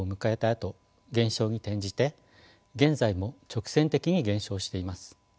あと減少に転じて現在も直線的に減少しています。